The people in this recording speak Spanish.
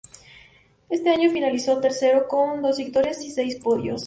Ese año finalizó tercero con dos victorias y seis podios.